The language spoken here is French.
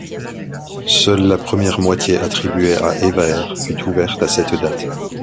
Seule la première moitié, attribuée à Eva Air fut ouverte à cette date.